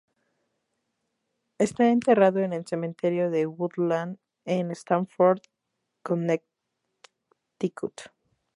Está enterrado en el Cementerio de Woodland, en Stamford, Connecticut.